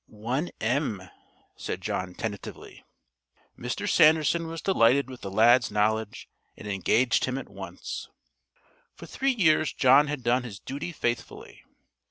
"One 'm,'" said John tentatively. Mr. Sanderson was delighted with the lad's knowledge, and engaged him at once. For three years John had done his duty faithfully.